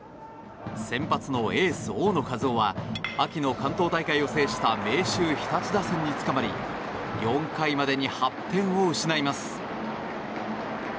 先発のエース、大野稼頭央は秋の関東大会を制した明秀日立打線につかまり４回までに８点を失います。